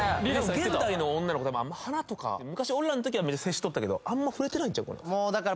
現代の女の子あんま花とか昔俺らの時は接しとったけどあんま触れてないんちゃうかな